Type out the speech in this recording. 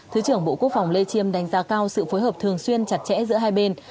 thứ trưởng bộ quốc phòng lê chiêm đánh giá cao sự phối hợp thường xuyên chặt chẽ giữa hai bên